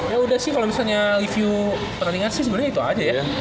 ya udah sih kalau misalnya review pertandingan sih sebenarnya itu aja ya